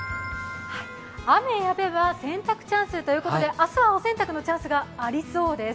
雨やめば洗濯チャンスということで明日はお洗濯のチャンスがありそうです。